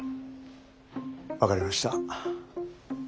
分かりました。